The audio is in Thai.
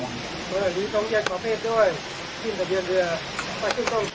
มือหรือท้องเย็นประเภทด้วยขึ้นทะเบียนเรือไปขึ้นตรง